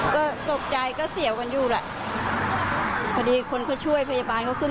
เขาขึ้นบางบริเวณเขาช่วยดึงขึ้นมาได้มั้ง